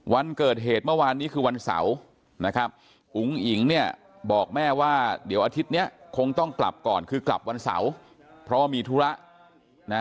วันเกิดเหตุเมื่อวานนี้คือวันเสาร์นะครับอุ๋งอิ๋งเนี่ยบอกแม่ว่าเดี๋ยวอาทิตย์เนี้ยคงต้องกลับก่อนคือกลับวันเสาร์เพราะว่ามีธุระนะ